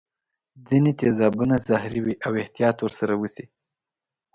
ځیني تیزابونه زهري وي او احتیاط ور سره وشي.